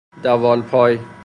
دوال پای